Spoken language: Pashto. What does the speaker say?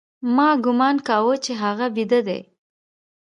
ما گومان کاوه چې هغه بيده دى.